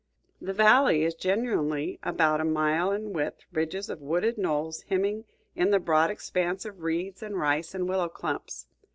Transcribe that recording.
The valley is generally about a mile in width, ridges of wooded knolls hemming in the broad expanse of reeds and rice and willow clumps.